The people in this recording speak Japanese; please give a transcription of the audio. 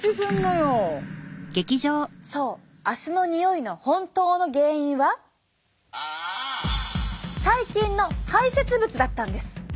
そう足のにおいの本当の原因は細菌の排せつ物だったんです。